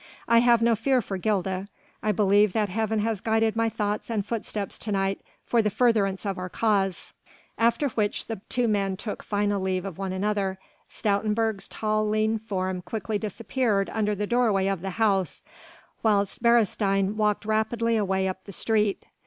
I have no fear for Gilda. I believe that Heaven has guided my thoughts and footsteps to night for the furtherance of our cause." After which the two men took final leave of one another: Stoutenburg's tall lean form quickly disappeared under the doorway of the house, whilst Beresteyn walked rapidly away up the street.